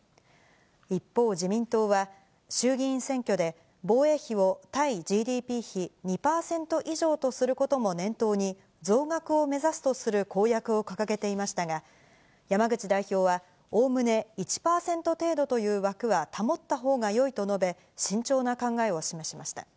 一方、自民党は、衆議院選挙で防衛費を対ＧＤＰ比２％以上とすることも念頭に、増額を目指すとする公約を掲げていましたが、山口代表は、おおむね１％程度という枠は保ったほうがよいと述べ、慎重な考えを示しました。